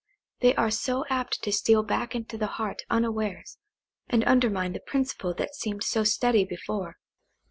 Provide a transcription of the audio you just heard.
They are so apt to steal back into the heart unawares, and undermine the principle that seemed so steady before.